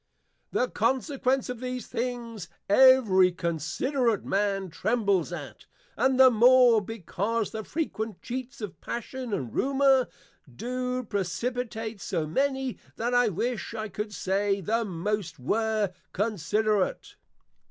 The consequence of these things, every considerate Man trembles at; and the more, because the frequent cheats of Passion, and Rumour, do precipitate so many, that I wish I could say, The most were considerate.